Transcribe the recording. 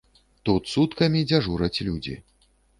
Тут суткамі дзяжураць людзі.